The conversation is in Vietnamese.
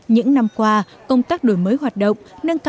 những năm qua công tác đổi mới hoạt động